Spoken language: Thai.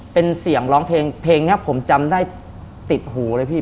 เป็นเสียงร้องเพลงเพลงนี้ผมจำได้ติดหูเลยพี่